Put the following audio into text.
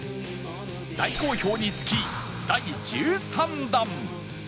大好評につき第１３弾